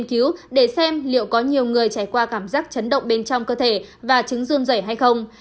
nghiên cứu để xem liệu có nhiều người trải qua cảm giác chấn động bên trong cơ thể và chứng rơm rẩy hay không